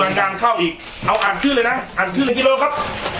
มันคว้างหนึ่งกิโลครับ